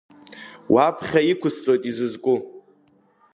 Уаԥхьа иқәысҵоит изызку.